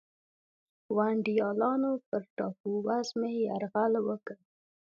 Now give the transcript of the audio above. ونډالیانو پر ټاپو وزمې یرغل وکړ.